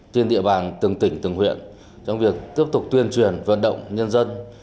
trên địa bàn từng tỉnh từng huyện trong việc tiếp tục tuyên truyền vận động nhân dân